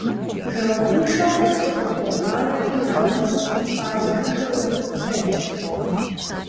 Жэуапыншэу сыкъыбогъанэри, нэгъуэщӀ щӀалэхэмкӀэ усфӀоплъэкӀ.